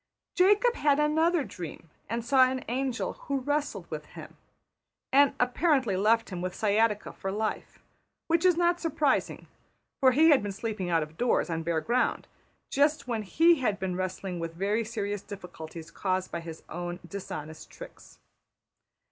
Jacob had another dream, and saw an angel who wrestled with him, and apparently left him with sciatica for life; which is not surprising, for he had been sleeping out of doors on bare ground, just when \emph{he} had been wrestling with very serious difficulties caused by his own dishonest tricks.